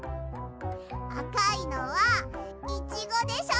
あかいのはイチゴでしょ。